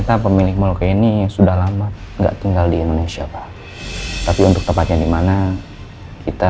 karena pemilik molok ini sudah lama nggak tinggal di indonesia pak tapi untuk tempatnya dimana kita